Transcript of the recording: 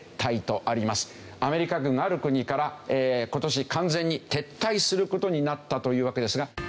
アメリカ軍がある国から今年完全に撤退する事になったというわけですが。